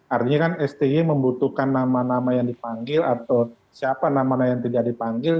artinya kan stj membutuhkan nama nama yang dipanggil atau siapa nama nama yang tidak dipanggil